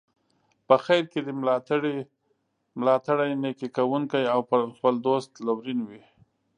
په خیر کې دي ملاتړی، نیکي کوونکی او پر خپل دوست لورین وي.